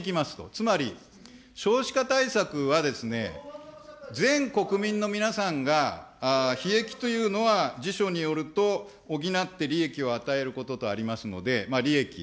つまり少子化対策は、全国民の皆さんがひ益というのは辞書によると、補って利益を与えることとありますので、利益。